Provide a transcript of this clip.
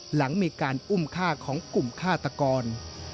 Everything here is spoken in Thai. หลังมีการอุ้มฆ่าของกลุ่มฆาตกร